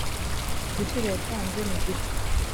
igiciro yatanze nigito.